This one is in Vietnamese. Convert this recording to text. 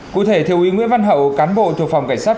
cụ thể thiếu úy nguyễn văn hậu cán bộ thuộc phòng cảnh sát